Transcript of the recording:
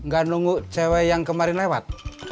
gak nunggu cewek yang kemarin lewat